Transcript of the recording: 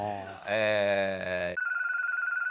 ええ。